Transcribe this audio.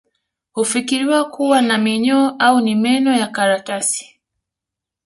Hufikiriwa kuwa na minyoo au ni meno ya karatasi